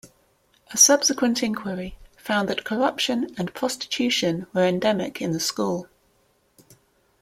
A subsequent inquiry found that corruption and prostitution were endemic in the school.